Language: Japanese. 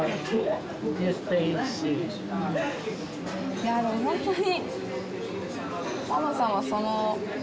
いやでもホントに。